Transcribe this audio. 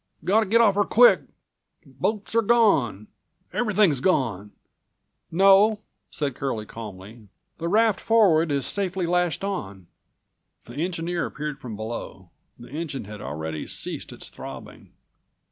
Gotta' git off 'er quick. Boats are gone! Everythin's gone." "No," said Curlie calmly, "the raft forward is safely lashed on." The engineer appeared from below. The engine had already ceased its throbbing.